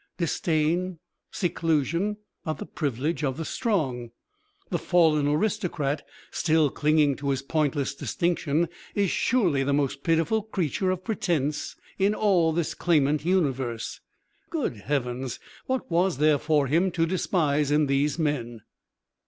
Disdain, seclusion, are the privilege of the strong. The fallen aristocrat still clinging to his pointless distinction is surely the most pitiful creature of pretence in all this clamant universe. Good heavens! what was there for him to despise in these men?